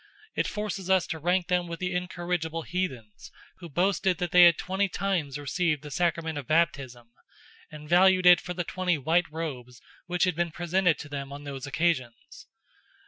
It forces us to rank them with the incorrigible heathens who boasted that they had twenty times received the Sacrament of Baptism, and valued it for the twenty white robes which had been presented to them on those occasions.